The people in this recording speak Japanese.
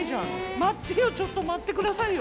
待ってよ、ちょっと待ってくださいよ。